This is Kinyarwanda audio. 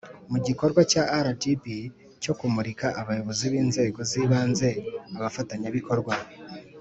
Mu gikorwa cya rgb cyo kumurikira abayobozi b inzego z ibanze abafatanyabikorwa